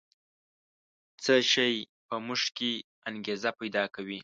څه شی په موږ کې انګېزه پیدا کوي؟